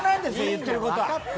言っていることは。